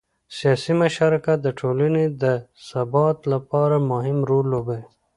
سیاسي مشارکت د ټولنې د ثبات لپاره مهم رول لوبوي